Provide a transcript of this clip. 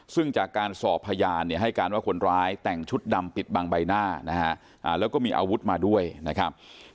ซึ่งจากการสอบพยานเนี่ยให้การว่าคนร้ายแต่งชุดดำปิดบังใบหน้านะฮะแล้วก็มีอาวุธมาด้วยนะครับ